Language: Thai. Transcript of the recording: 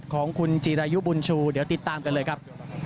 ของคุณจีรายุบุญชูเดี๋ยวติดตามกันเลยครับ